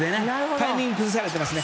タイミングを崩されてますね。